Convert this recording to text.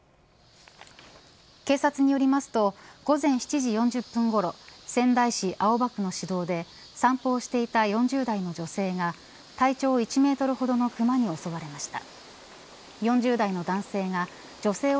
警察によりますと午前７時４０分ごろ仙台市青葉区の市道で散歩をしていた４０代の女性が体長１メートルほどのクマに襲われました。